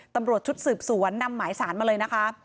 ตำรวจชุดสืบสวนนำหมายสารมาเลยนะคะ